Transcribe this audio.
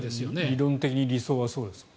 理論的に理想はそうですね。